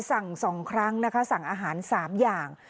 สั่งสองครั้งนะคะสั่งอาหารสามอย่าง